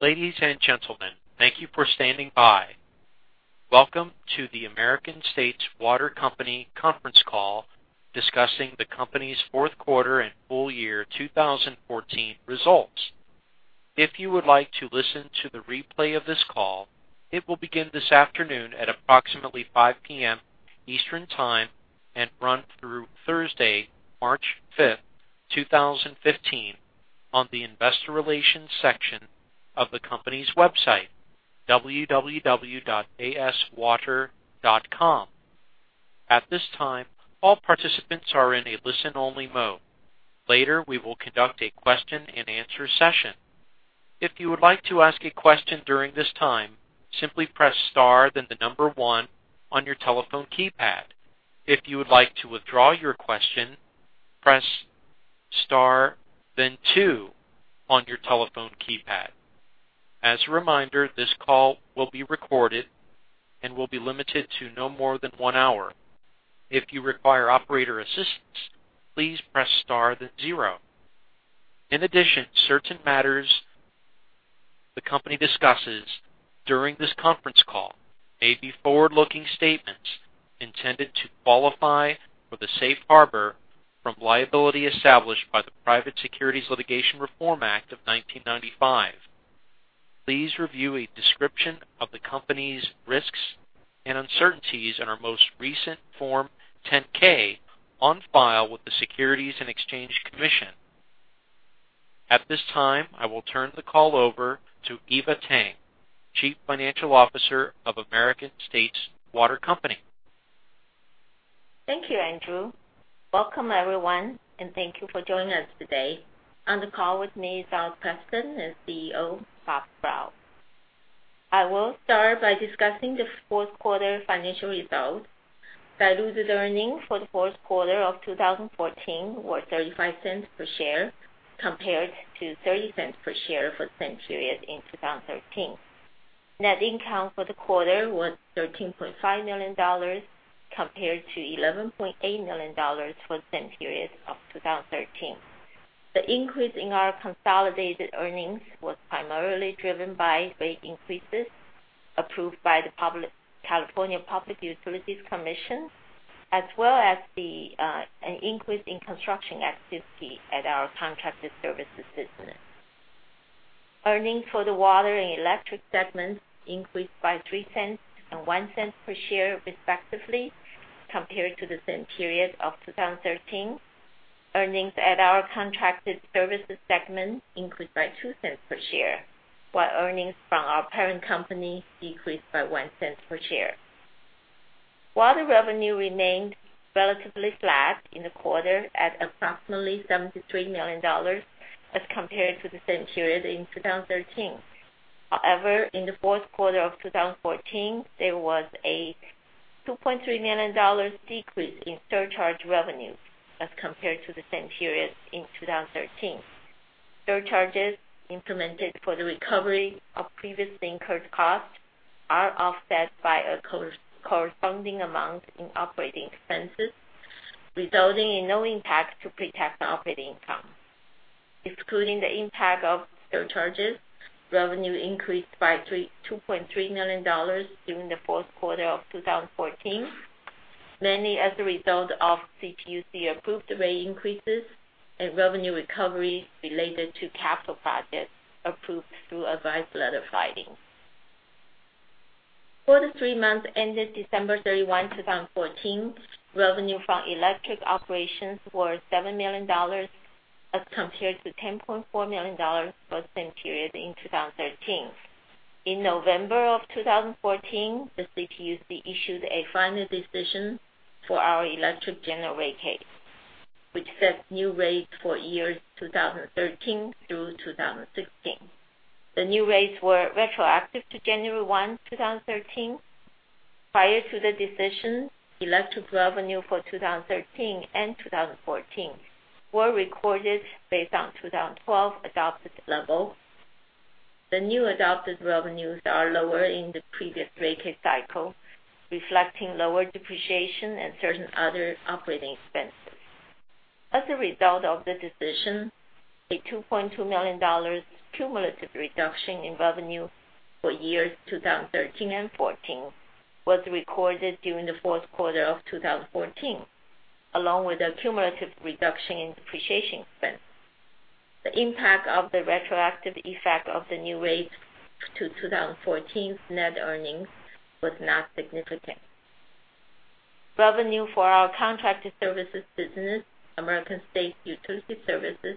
Ladies and gentlemen, thank you for standing by. Welcome to the American States Water Company conference call discussing the company's fourth quarter and full year 2014 results. If you would like to listen to the replay of this call, it will begin this afternoon at approximately 5:00 P.M. Eastern Time and run through Thursday, March fifth, 2015, on the investor relations section of the company's website, aswater.com. At this time, all participants are in a listen-only mode. Later, we will conduct a question and answer session. If you would like to ask a question during this time, simply press star, then the number one on your telephone keypad. If you would like to withdraw your question, press star then number two on your telephone keypad. As a reminder, this call will be recorded and will be limited to no more than one hour. If you require operator assistance, please press star then zero. In addition, certain matters the company discusses during this conference call may be forward-looking statements intended to qualify for the safe harbor from liability established by the Private Securities Litigation Reform Act of 1995. Please review a description of the company's risks and uncertainties in our most recent Form 10-K on file with the Securities and Exchange Commission. At this time, I will turn the call over to Eva Tang, Chief Financial Officer of American States Water Company. Thank you, Andrew. Welcome, everyone, and thank you for joining us today. On the call with me is Eva Tang and CEO, Robert Sprowls. I will start by discussing the fourth quarter financial results. Diluted earnings for the fourth quarter of 2014 were $0.35 per share, compared to $0.30 per share for the same period in 2013. Net income for the quarter was $13.5 million, compared to $11.8 million for the same period of 2013. The increase in our consolidated earnings was primarily driven by rate increases approved by the California Public Utilities Commission, as well as an increase in construction activity at our contracted services business. Earnings for the water and electric segments increased by $0.03 and $0.01 per share, respectively, compared to the same period of 2013. Earnings at our contracted services segment increased by $0.02 per share, while earnings from our parent company decreased by $0.01 per share. Water revenue remained relatively flat in the quarter at approximately $73 million as compared to the same period in 2013. However, in the fourth quarter of 2014, there was a $2.3 million decrease in surcharge revenue as compared to the same period in 2013. Surcharges implemented for the recovery of previously incurred costs are offset by a corresponding amount in operating expenses, resulting in no impact to pre-tax and operating income. Excluding the impact of surcharges, revenue increased by $2.3 million during the fourth quarter of 2014, mainly as a result of CPUC-approved rate increases and revenue recovery related to capital projects approved through advice letter filings. For the three months ended December 31, 2014, revenue from electric operations were $7 million as compared to $10.4 million for the same period in 2013. In November of 2014, the CPUC issued a final decision for our electric general rate case, which sets new rates for years 2013 through 2016. The new rates were retroactive to January 1, 2013. Prior to the decision, electric revenue for 2013 and 2014 were recorded based on 2012 adopted levels. The new adopted revenues are lower in the previous rate case cycle, reflecting lower depreciation and certain other operating expenses. As a result of the decision, a $2.2 million cumulative reduction in revenue for years 2013 and 2014 was recorded during the fourth quarter of 2014, along with a cumulative reduction in depreciation expense. The impact of the retroactive effect of the new rates to 2014's net earnings was not significant. Revenue for our contracted services business, American States Utility Services,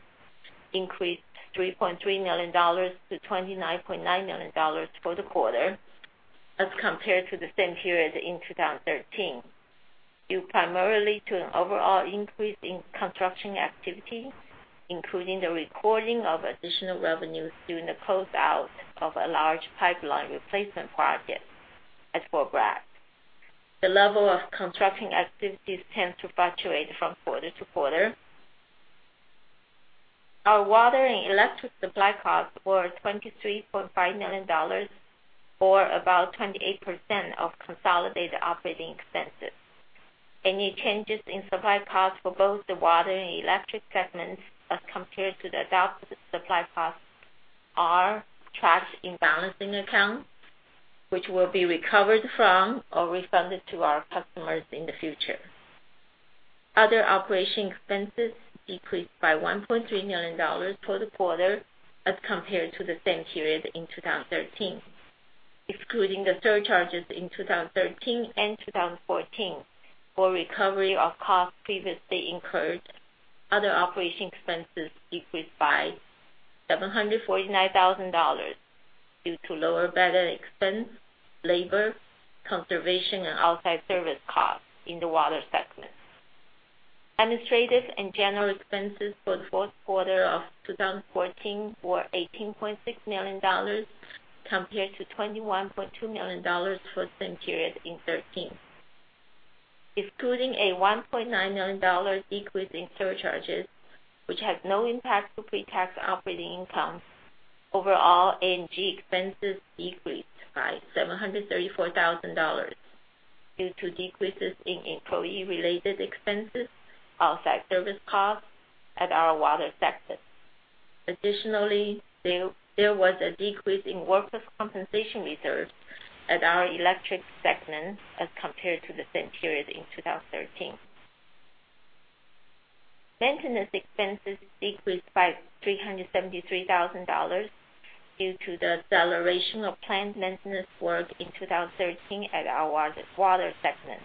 increased $3.3 million to $29.9 million for the quarter as compared to the same period in 2013, due primarily to an overall increase in construction activity, including the recording of additional revenues during the closeout of a large pipeline replacement project at Fort Bragg. The level of construction activities tends to fluctuate from quarter to quarter. Our water and electric supply costs were $23.5 million, or about 28% of consolidated operating expenses. Any changes in supply costs for both the water and electric segments as compared to the adopted supply costs are tracked in balancing accounts, which will be recovered from or refunded to our customers in the future. Other operating expenses decreased by $1.3 million for the quarter as compared to the same period in 2013. Excluding the surcharges in 2013 and 2014 for recovery of costs previously incurred, other operating expenses decreased by $749,000 due to lower bad debt expense, labor, conservation, and outside service costs in the water segment. Administrative and general expenses for the fourth quarter of 2014 were $18.6 million compared to $21.2 million for the same period in 2013. Excluding a $1.9 million decrease in surcharges, which has no impact to pre-tax operating income, overall A&G expenses decreased by $734,000 due to decreases in employee-related expenses, outside service costs at our water segment. Additionally, there was a decrease in workers' compensation reserves at our electric segment as compared to the same period in 2013. Maintenance expenses decreased by $373,000 due to the acceleration of planned maintenance work in 2013 at our water segment.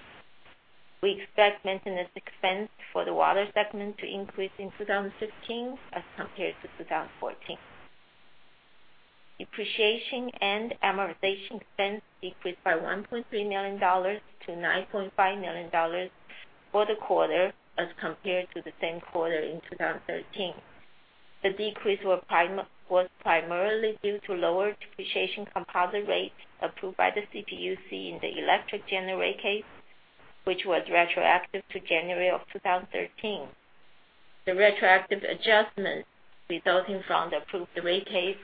We expect maintenance expense for the water segment to increase in 2015 as compared to 2014. Depreciation and amortization expense decreased by $1.3 million to $9.5 million for the quarter as compared to the same quarter in 2013. The decrease was primarily due to lower depreciation composite rates approved by the CPUC in the electric general rate case, which was retroactive to January of 2013. The retroactive adjustment resulting from the approved rate case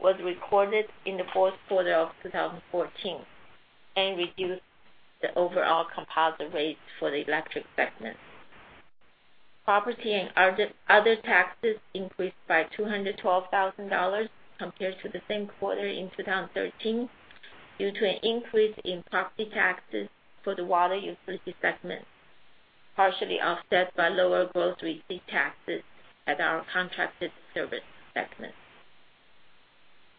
was recorded in the fourth quarter of 2014 and reduced the overall composite rates for the electric segment. Property and other taxes increased by $212,000 compared to the same quarter in 2013 due to an increase in property taxes for the water utility segment, partially offset by lower gross receipt taxes at our contracted service segment.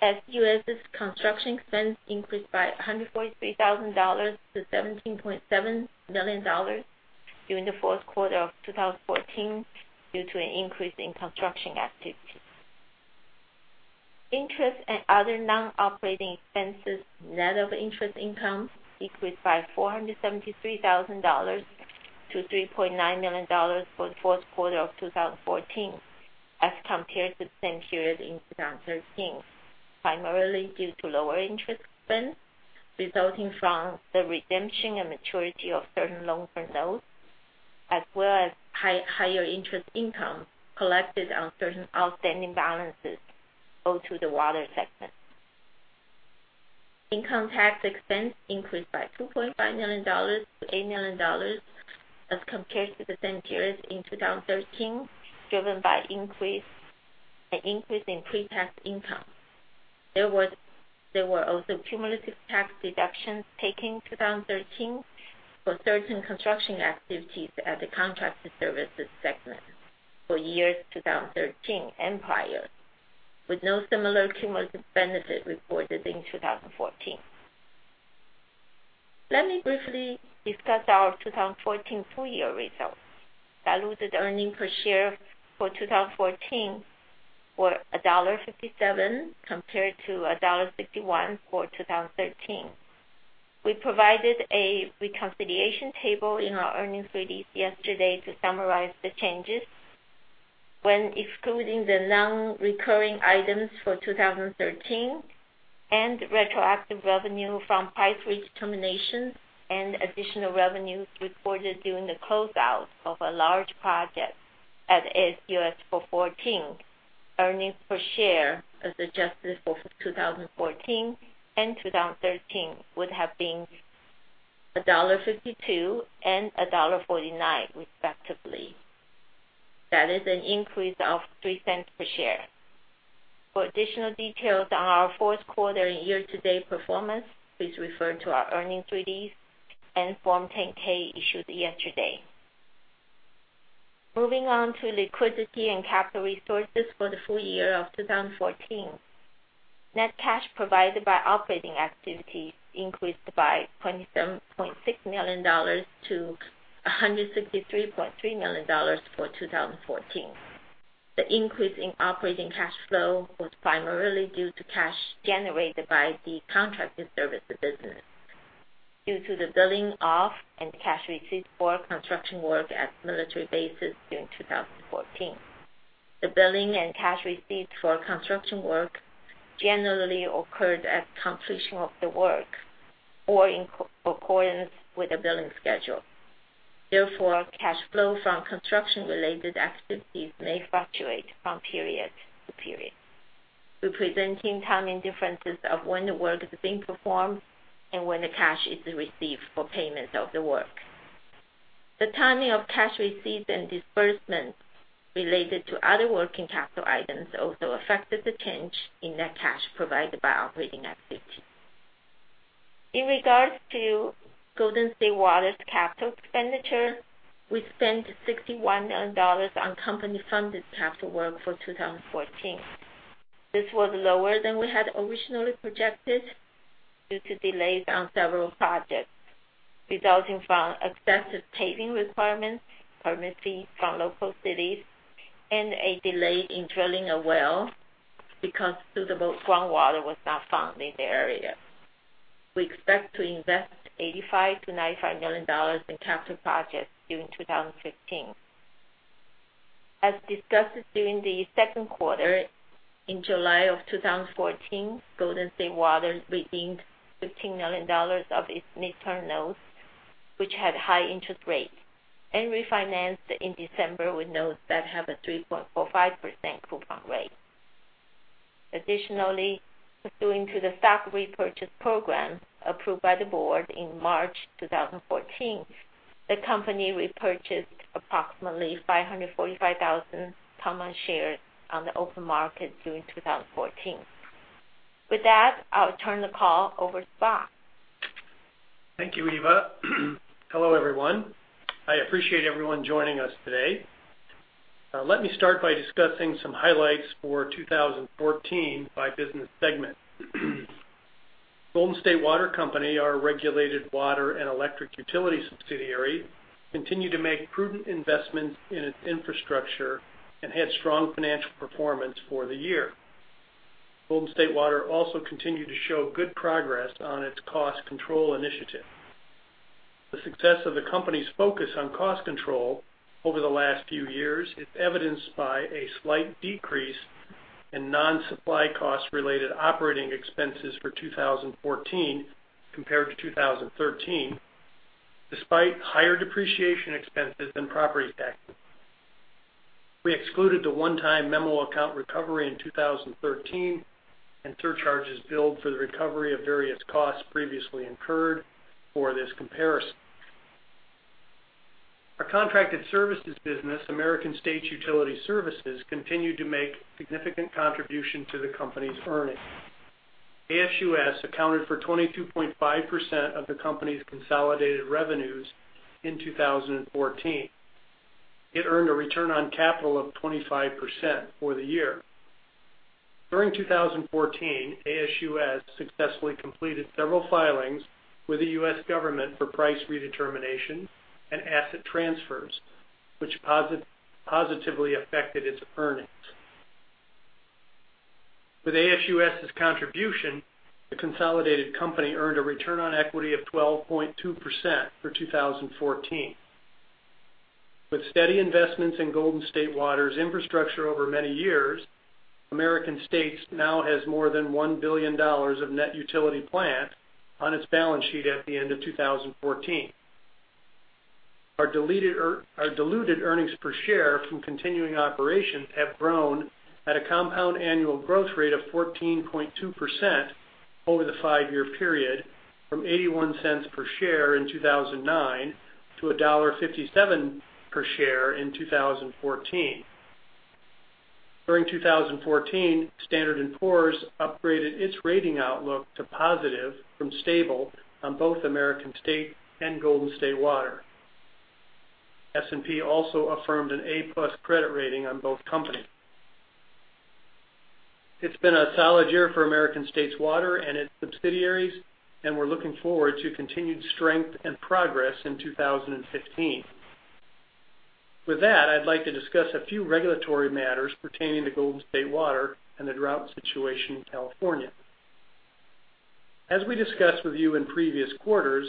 ASUS's construction expense increased by $143,000 to $17.7 million during the fourth quarter of 2014 due to an increase in construction activities. Interest and other non-operating expenses, net of interest income, decreased by $473,000 to $3.9 million for the fourth quarter of 2014 as compared to the same period in 2013. Primarily due to lower interest expense resulting from the redemption and maturity of certain loans and notes, as well as higher interest income collected on certain outstanding balances owed to the water segment. Income tax expense increased by $2.5 million to $8 million as compared to the same period in 2013, driven by an increase in pre-tax income. There were also cumulative tax deductions taken in 2013 for certain construction activities at the contracted services segment for years 2013 and prior, with no similar cumulative benefit reported in 2014. Let me briefly discuss our 2014 full-year results. Diluted earnings per share for 2014 were $1.57 compared to $1.61 for 2013. We provided a reconciliation table in our earnings release yesterday to summarize the changes. When excluding the non-recurring items for 2013 and retroactive revenue from price redeterminations and additional revenues reported during the closeout of a large project at ASUS for 2014, earnings per share as adjusted for 2014 and 2013 would have been $1.52 and $1.49, respectively. That is an increase of $0.03 per share. For additional details on our fourth quarter and year-to-date performance, please refer to our earnings release and Form 10-K issued yesterday. Moving on to liquidity and capital resources for the full year of 2014. Net cash provided by operating activities increased by $27.6 million to $163.3 million for 2014. The increase in operating cash flow was primarily due to cash generated by the contracted services business due to the billing of and cash received for construction work at military bases during 2014. The billing and cash received for construction work generally occurred at completion of the work or in accordance with the billing schedule. Therefore, cash flow from construction-related activities may fluctuate from period to period, representing timing differences of when the work is being performed and when the cash is received for payment of the work. The timing of cash receipts and disbursements related to other working capital items also affected the change in net cash provided by operating activities. In regards to Golden State Water's capital expenditure, we spent $61 million on company-funded capital work for 2014. This was lower than we had originally projected due to delays on several projects, resulting from extensive paving requirements, permitting from local cities, and a delay in drilling a well because suitable groundwater was not found in the area. We expect to invest $85 million-$95 million in capital projects during 2015. As discussed during the second quarter, in July of 2014, Golden State Water redeemed $15 million of its midterm notes, which had high interest rates, and refinanced in December with notes that have a 3.45% coupon rate. Additionally, pursuant to the stock repurchase program approved by the board in March 2014, the company repurchased approximately 545,000 common shares on the open market during 2014. With that, I'll turn the call over to Bob. Thank you, Eva. Hello, everyone. I appreciate everyone joining us today. Let me start by discussing some highlights for 2014 by business segment. Golden State Water Company, our regulated water and electric utility subsidiary, continued to make prudent investments in its infrastructure and had strong financial performance for the year. Golden State Water also continued to show good progress on its cost control initiative. The success of the company's focus on cost control over the last few years is evidenced by a slight decrease in non-supply cost-related operating expenses for 2014 compared to 2013, despite higher depreciation expenses than property taxes. We excluded the one-time memo account recovery in 2013 and surcharges billed for the recovery of various costs previously incurred for this comparison. Our contracted services business, American States Utility Services, continued to make significant contribution to the company's earnings. ASUS accounted for 22.5% of the company's consolidated revenues in 2014. It earned a return on capital of 25% for the year. During 2014, ASUS successfully completed several filings with the U.S. government for price redetermination and asset transfers, which positively affected its earnings. With ASUS's contribution, the consolidated company earned a return on equity of 12.2% for 2014. With steady investments in Golden State Water's infrastructure over many years, American States now has more than $1 billion of net utility plant on its balance sheet at the end of 2014. Our diluted earnings per share from continuing operations have grown at a compound annual growth rate of 14.2% over the five-year period, from $0.81 per share in 2009 to $1.57 per share in 2014. During 2014, Standard & Poor's upgraded its rating outlook to positive from stable on both American States and Golden State Water. S&P also affirmed an A+ credit rating on both companies. It's been a solid year for American States Water and its subsidiaries, and we're looking forward to continued strength and progress in 2015. With that, I'd like to discuss a few regulatory matters pertaining to Golden State Water and the drought situation in California. As we discussed with you in previous quarters,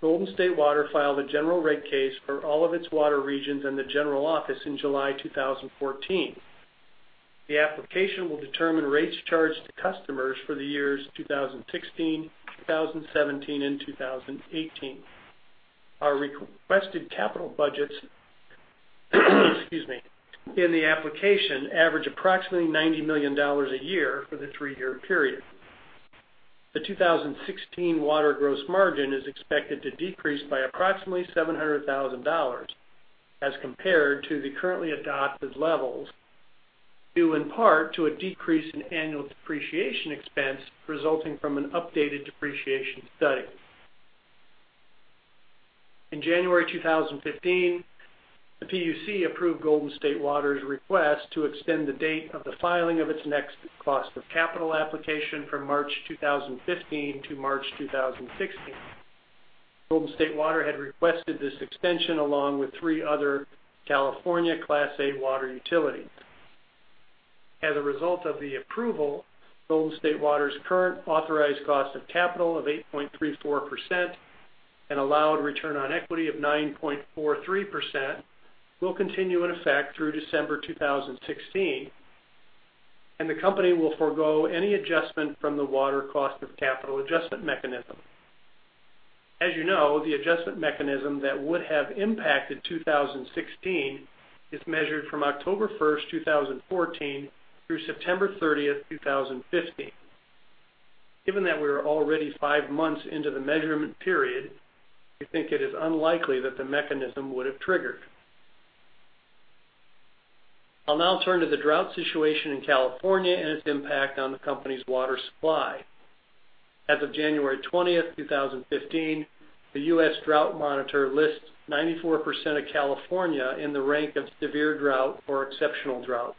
Golden State Water filed a general rate case for all of its water regions and the general office in July 2014. The application will determine rates charged to customers for the years 2016, 2017, and 2018. Our requested capital budgets, excuse me, in the application average approximately $90 million a year for the three-year period. The 2016 water gross margin is expected to decrease by approximately $700,000 as compared to the currently adopted levels, due in part to a decrease in annual depreciation expense resulting from an updated depreciation study. In January 2015, the PUC approved Golden State Water's request to extend the date of the filing of its next cost of capital application from March 2015 to March 2016. Golden State Water had requested this extension along with three other California Class A water utilities. As a result of the approval, Golden State Water's current authorized cost of capital of 8.34% and allowed return on equity of 9.43% will continue in effect through December 2016, and the company will forgo any adjustment from the Water Cost of Capital Adjustment Mechanism. As you know, the adjustment mechanism that would have impacted 2016 is measured from October 1st, 2014, through September 30th, 2015. Given that we are already 5 months into the measurement period, we think it is unlikely that the mechanism would have triggered. I'll now turn to the drought situation in California and its impact on the company's water supply. As of January 20, 2015, the U.S. Drought Monitor lists 94% of California in the rank of severe drought or exceptional drought.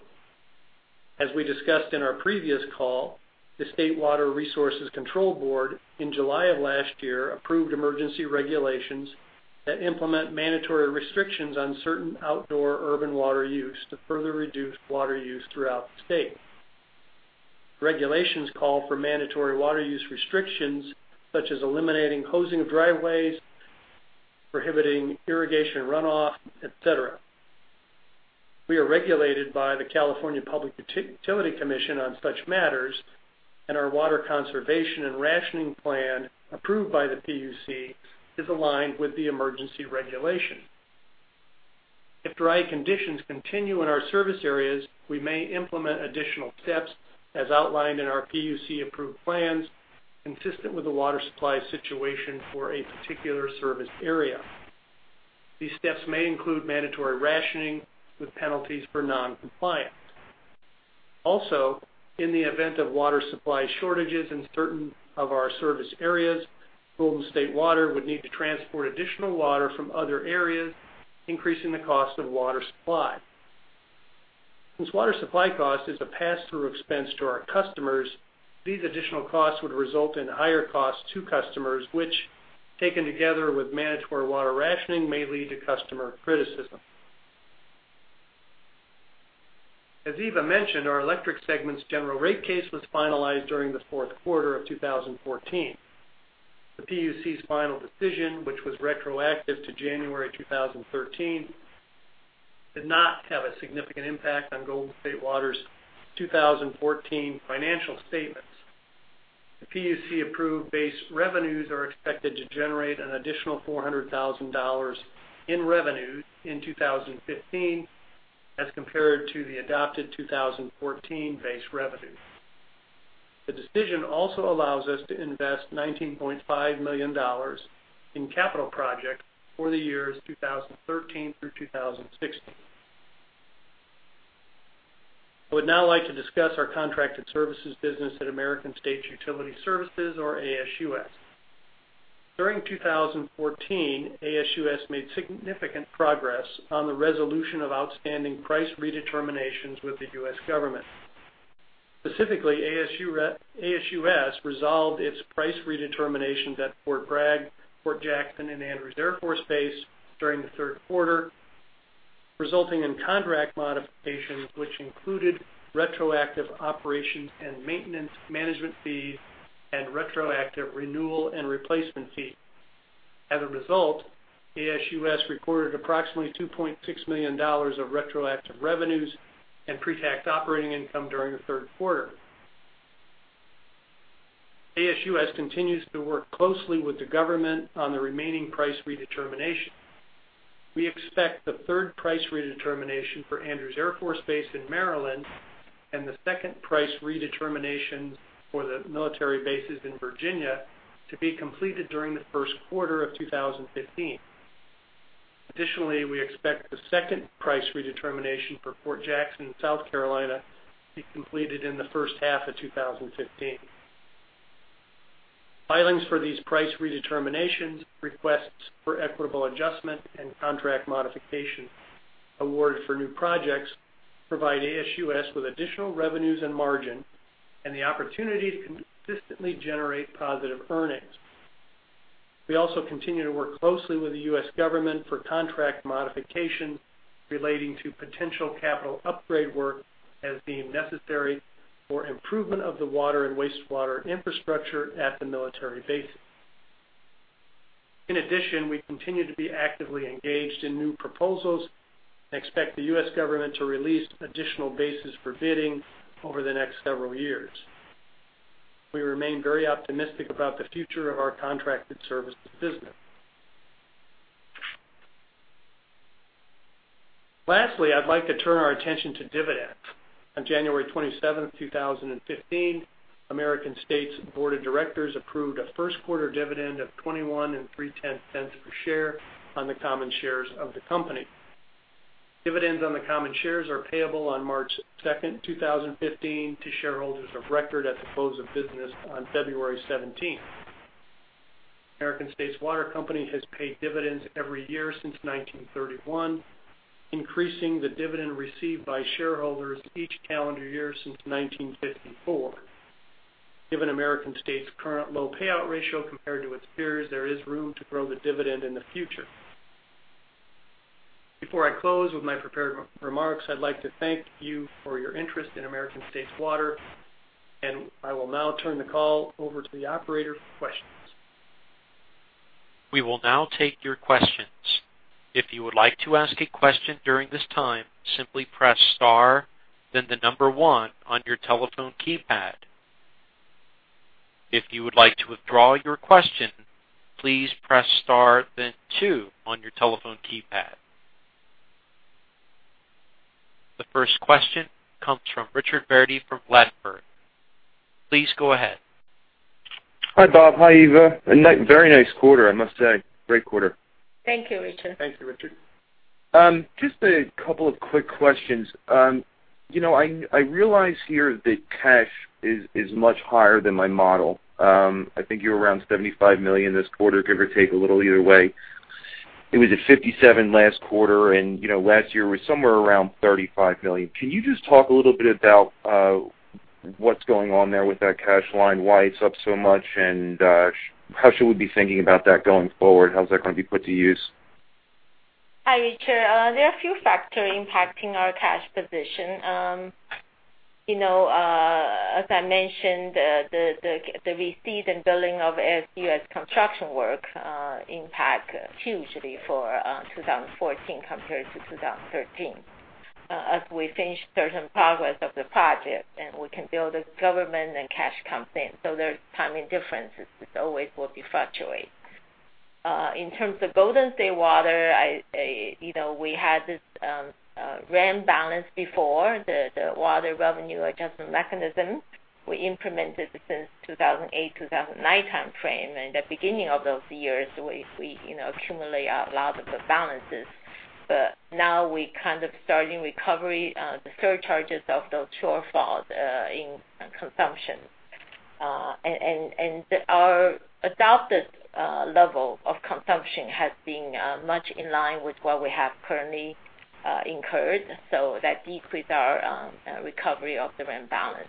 As we discussed in our previous call, the State Water Resources Control Board, in July of last year, approved emergency regulations that implement mandatory restrictions on certain outdoor urban water use to further reduce water use throughout the state. Regulations call for mandatory water use restrictions, such as eliminating hosing of driveways, prohibiting irrigation runoff, et cetera. We are regulated by the California Public Utilities Commission on such matters, and our water conservation and rationing plan, approved by the PUC, is aligned with the emergency regulation. If dry conditions continue in our service areas, we may implement additional steps as outlined in our PUC-approved plans, consistent with the water supply situation for a particular service area. These steps may include mandatory rationing with penalties for non-compliance. Also, in the event of water supply shortages in certain of our service areas, Golden State Water would need to transport additional water from other areas, increasing the cost of water supply. Since water supply cost is a pass-through expense to our customers, these additional costs would result in higher costs to customers, which, taken together with mandatory water rationing, may lead to customer criticism. As Eva mentioned, our Electric segment's general rate case was finalized during the fourth quarter of 2014. The PUC's final decision, which was retroactive to January 2013, did not have a significant impact on Golden State Water's 2014 financial statements. The PUC-approved base revenues are expected to generate an additional $400,000 in revenue in 2015 as compared to the adopted 2014 base revenue. The decision also allows us to invest $19.5 million in capital projects for the years 2013 through 2016. I would now like to discuss our contracted services business at American States Utility Services, or ASUS. During 2014, ASUS made significant progress on the resolution of outstanding price redeterminations with the U.S. government. Specifically, ASUS resolved its price redeterminations at Fort Bragg, Fort Jackson, and Andrews Air Force Base during the third quarter, resulting in contract modifications which included retroactive operations and maintenance management fees and retroactive renewal and replacement fees. As a result, ASUS recorded approximately $2.6 million of retroactive revenues and pre-tax operating income during the third quarter. ASUS continues to work closely with the government on the remaining price redetermination. We expect the third price redetermination for Andrews Air Force Base in Maryland and the second price redetermination for the military bases in Virginia to be completed during the first quarter of 2015. Additionally, we expect the second price redetermination for Fort Jackson in South Carolina to be completed in the first half of 2015. Filings for these price redeterminations, requests for equitable adjustment, and contract modification awards for new projects provide ASUS with additional revenues and margin and the opportunity to consistently generate positive earnings. We also continue to work closely with the U.S. government for contract modification relating to potential capital upgrade work as being necessary for improvement of the water and wastewater infrastructure at the military bases. In addition, we continue to be actively engaged in new proposals and expect the U.S. government to release additional bases for bidding over the next several years. We remain very optimistic about the future of our contracted services business. Lastly, I'd like to turn our attention to dividends. On January 27th, 2015, American States Board of Directors approved a first-quarter dividend of $0.213 per share on the common shares of the company. Dividends on the common shares are payable on March 2nd, 2015, to shareholders of record at the close of business on February 17th. American States Water Company has paid dividends every year since 1931, increasing the dividend received by shareholders each calendar year since 1954. Given American States' current low payout ratio compared to its peers, there is room to grow the dividend in the future. Before I close with my prepared remarks, I'd like to thank you for your interest in American States Water, I will now turn the call over to the operator for questions. We will now take your questions. If you would like to ask a question during this time, simply press star, then the number one on your telephone keypad. If you would like to withdraw your question, please press star, then two on your telephone keypad. The first question comes from Richard Verdi from Bradford. Please go ahead. Hi, Bob. Hi, Eva. A very nice quarter, I must say. Great quarter. Thank you, Richard. Thank you, Richard. Just a couple of quick questions. I realize here that cash is much higher than my model. I think you're around $75 million this quarter, give or take a little either way. It was at $57 million last quarter, and last year was somewhere around $35 million. Can you just talk a little bit about what's going on there with that cash line, why it's up so much, and how should we be thinking about that going forward? How's that going to be put to use? Hi, Richard. There are a few factors impacting our cash position. As I mentioned, the receipt and billing of ASUS construction work impact hugely for 2014 compared to 2013. As we finish certain progress of the project, and we can build a government, then cash comes in, so there's timing differences which always will fluctuate. In terms of Golden State Water, we had this WARM balance before, the Water Revenue Adjustment Mechanism. We implemented it since 2008, 2009 timeframe, and at the beginning of those years, we accumulate a lot of the balances. Now we kind of starting recovery the surcharges of those shortfalls in consumption. Our adopted level of consumption has been much in line with what we have currently incurred, so that decreased our recovery of the WARM balance.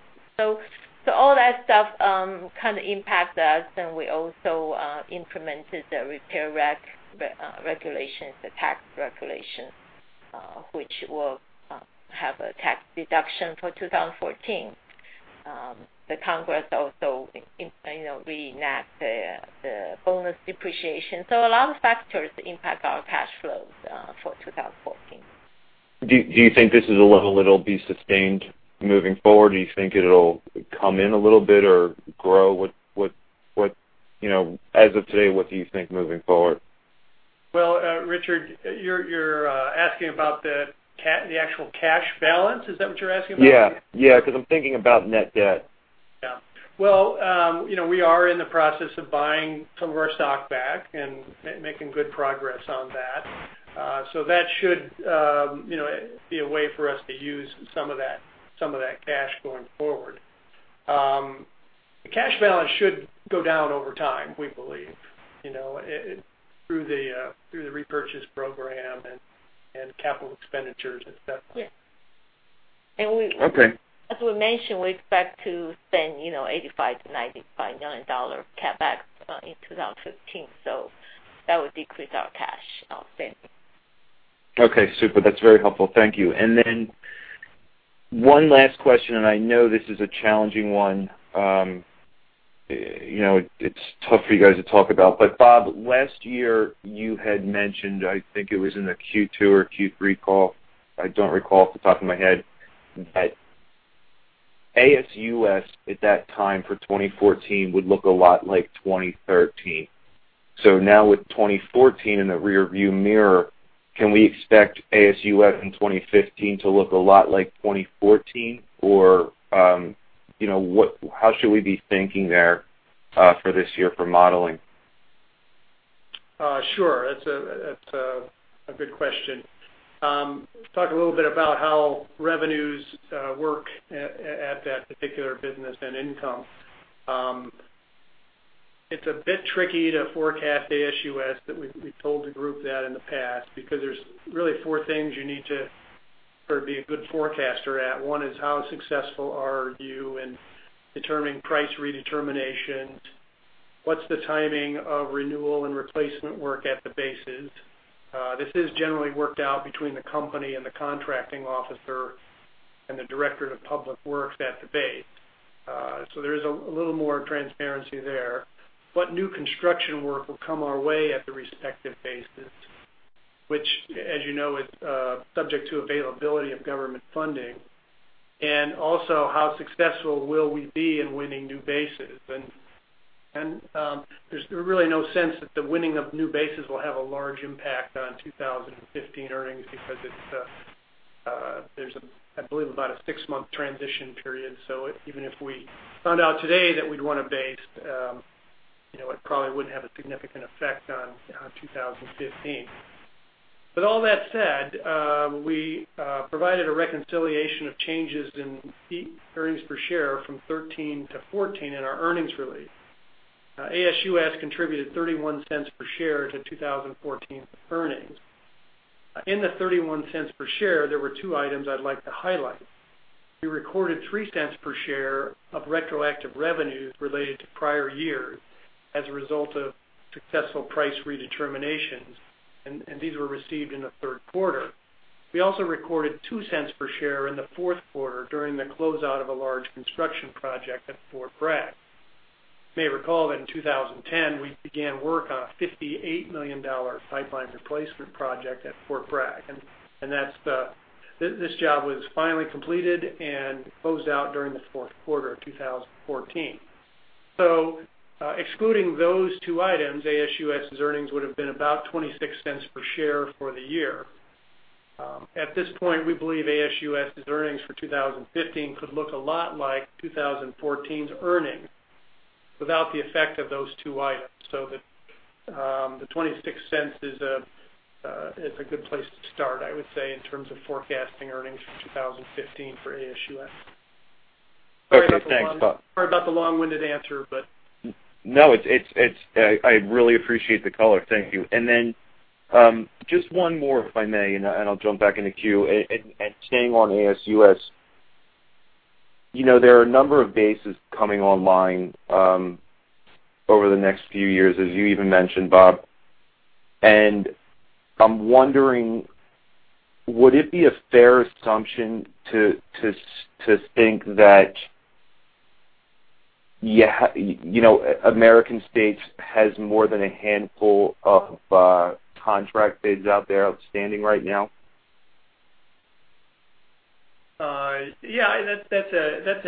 All that stuff kind of impacts us, and we also implemented the repair regulations, the tax regulations, which will have a tax deduction for 2014. The Congress also reenact the bonus depreciation. A lot of factors impact our cash flows for 2014. Do you think this is a level that'll be sustained moving forward? Do you think it'll come in a little bit or grow? As of today, what do you think moving forward? Well, Richard, you're asking about the actual cash balance? Is that what you're asking about? Yeah. I'm thinking about net debt. Yeah. Well, we are in the process of buying some of our stock back and making good progress on that. That should be a way for us to use some of that cash going forward. The cash balance should go down over time, we believe, through the repurchase program and capital expenditures and stuff like that. Yeah. Okay. As we mentioned, we expect to spend $85 million-$95 million CapEx in 2015, that would decrease our cash spending. Okay, super. That's very helpful. Thank you. One last question, I know this is a challenging one. It's tough for you guys to talk about. Bob, last year, you had mentioned, I think it was in the Q2 or Q3 call, I don't recall off the top of my head, that ASUS at that time for 2014 would look a lot like 2013. Now with 2014 in the rear-view mirror, can we expect ASUS in 2015 to look a lot like 2014, or how should we be thinking there for this year for modeling? Sure. That's a good question. Talk a little bit about how revenues work at that particular business and income. It's a bit tricky to forecast ASUS, that we've told the group that in the past, because there's really four things you need to sort of be a good forecaster at. One is, how successful are you in determining price redeterminations? What's the timing of renewal and replacement work at the bases? This is generally worked out between the company and the contracting officer and the director of public works at the base. There is a little more transparency there. What new construction work will come our way at the respective bases? Which, as you know, is subject to availability of government funding. Also, how successful will we be in winning new bases? There's really no sense that the winning of new bases will have a large impact on 2015 earnings because there's, I believe, about a six-month transition period. Even if we found out today that we'd won a base, it probably wouldn't have a significant effect on 2015. All that said, we provided a reconciliation of changes in earnings per share from 2013 to 2014 in our earnings release. ASUS contributed $0.31 per share to 2014 earnings. In the $0.31 per share, there were two items I'd like to highlight. We recorded $0.03 per share of retroactive revenues related to prior years as a result of successful price redeterminations, and these were received in the third quarter. We also recorded $0.02 per share in the fourth quarter during the closeout of a large construction project at Fort Bragg. You may recall that in 2010, we began work on a $58 million pipeline replacement project at Fort Bragg. This job was finally completed and closed out during the fourth quarter of 2014. Excluding those two items, ASUS's earnings would've been about $0.26 per share for the year. At this point, we believe ASUS's earnings for 2015 could look a lot like 2014's earnings without the effect of those two items. The $0.26 is a good place to start, I would say, in terms of forecasting earnings for 2015 for ASUS. Okay, thanks, Bob. Sorry about the long-winded answer. No, I really appreciate the color. Thank you. Just one more, if I may, and I'll jump back in the queue. Staying on ASUS, there are a number of bases coming online over the next few years, as you even mentioned, Bob. I'm wondering, would it be a fair assumption to think that American States has more than a handful of contract bids out there outstanding right now? Yeah. That's a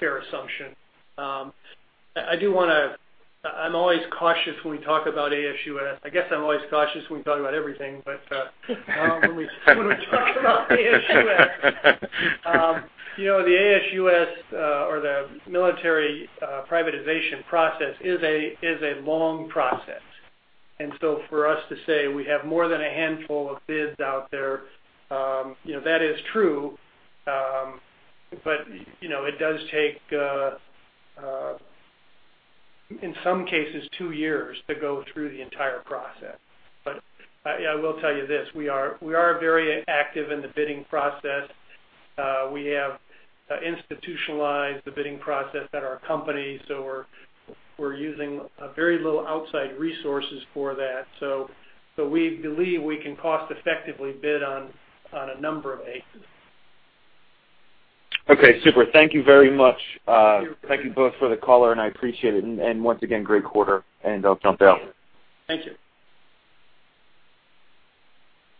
fair assumption. I'm always cautious when we talk about ASUS. I guess I'm always cautious when we talk about everything. When we talk about ASUS. The ASUS or the military privatization process is a long process. For us to say we have more than a handful of bids out there, that is true, but it does take, in some cases, 2 years to go through the entire process. I will tell you this, we are very active in the bidding process. We have institutionalized the bidding process at our company, so we're using very little outside resources for that. We believe we can cost effectively bid on a number of bases. Okay, super. Thank you very much. You're very welcome. Thank you both for the color, and I appreciate it. Once again, great quarter, and I'll jump out. Thank you.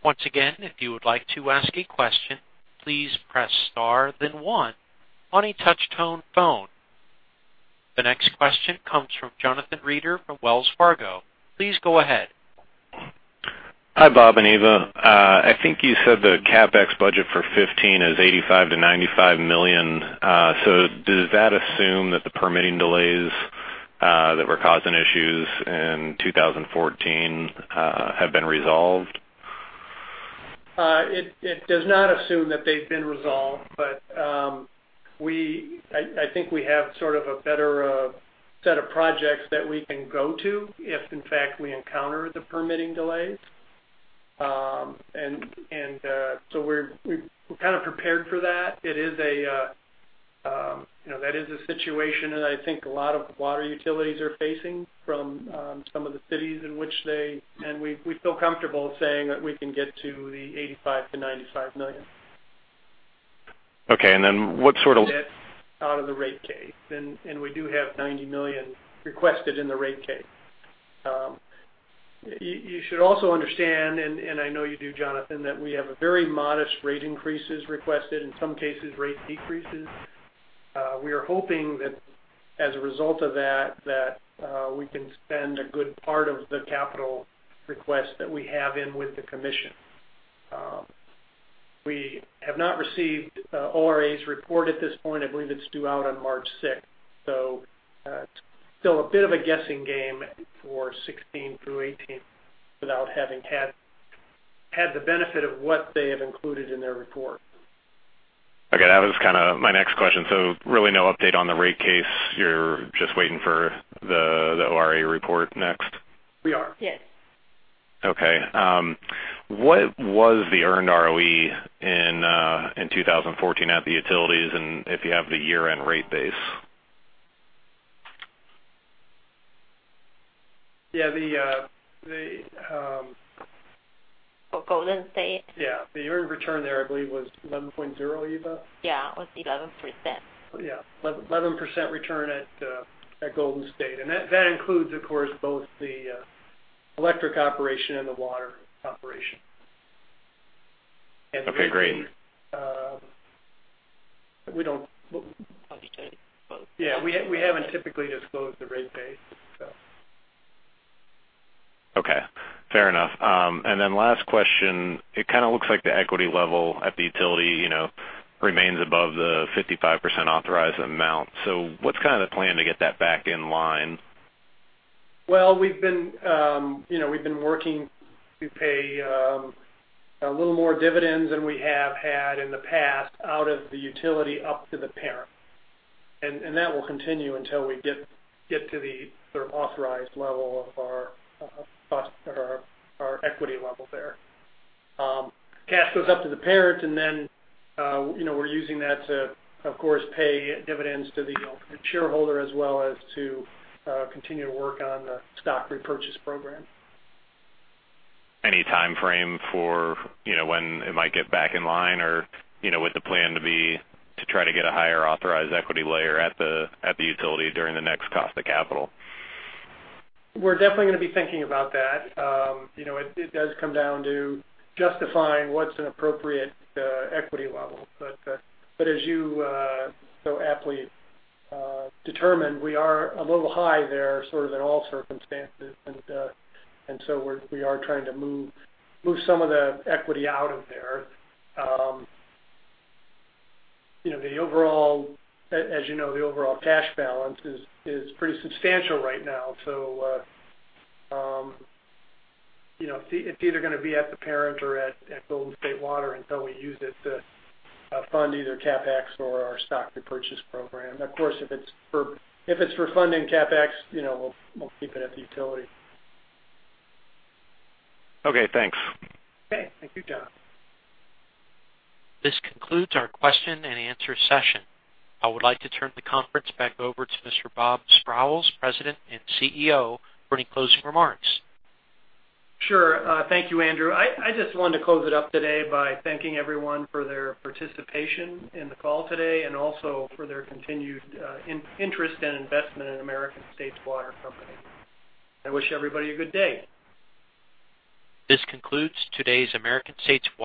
Once again, if you would like to ask a question, please press star, then one on a touch-tone phone. The next question comes from Jonathan Reeder from Wells Fargo. Please go ahead. Hi, Bob and Eva. I think you said the CapEx budget for 2015 is $85 million-$95 million. Does that assume that the permitting delays that were causing issues in 2014 have been resolved? It does not assume that they've been resolved. I think we have a better set of projects that we can go to if, in fact, we encounter the permitting delays. We're kind of prepared for that. That is a situation that I think a lot of water utilities are facing from some of the cities. We feel comfortable saying that we can get to the $85 million-$95 million. Okay, what sort of? That out of the rate case. We do have $90 million requested in the rate case. You should also understand, and I know you do, Jonathan, that we have very modest rate increases requested, in some cases, rate decreases. We are hoping that as a result of that, we can spend a good part of the capital request that we have in with the commission. We have not received ORA's report at this point. I believe it's due out on March 6th. Still a bit of a guessing game for 2016-2018 without having had the benefit of what they have included in their report. Okay. That was my next question. Really no update on the rate case. You're just waiting for the ORA report next? We are. Yes. Okay. What was the earned ROE in 2014 at the utilities, and if you have the year-end rate base? Yeah. For Golden State? Yeah. The earned return there, I believe, was 11.0, Eva? Yeah, it was 11%. Yeah. 11% return at Golden State. That includes, of course, both the electric operation and the water operation. Okay, great. We don't- I'll be turning it, Bob. Yeah. We haven't typically disclosed the rate base. Okay, fair enough. Last question, it looks like the equity level at the utility remains above the 55% authorized amount. What's the plan to get that back in line? Well, we've been working to pay a little more dividends than we have had in the past out of the utility up to the parent. That will continue until we get to the authorized level of our equity level there. Cash goes up to the parent, we're using that to, of course, pay dividends to the shareholder, as well as to continue to work on the stock repurchase program. Any timeframe for when it might get back in line, or would the plan to be to try to get a higher authorized equity layer at the utility during the next cost of capital? We're definitely going to be thinking about that. It does come down to justifying what's an appropriate equity level. As you so aptly determined, we are a little high there in all circumstances, and so we are trying to move some of the equity out of there. As you know, the overall cash balance is pretty substantial right now, so it's either going to be at the parent or at Golden State Water until we use it to fund either CapEx or our stock repurchase program. Of course, if it's for funding CapEx, we'll keep it at the utility. Okay, thanks. Okay. Thank you, Jonathan. This concludes our question and answer session. I would like to turn the conference back over to Mr. Bob Sprowls, President and CEO, for any closing remarks. Sure. Thank you, Andrew. I just wanted to close it up today by thanking everyone for their participation in the call today and also for their continued interest and investment in American States Water Company. I wish everybody a good day. This concludes today's American States Water